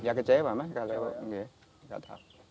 enggak kecewa pak enggak lewat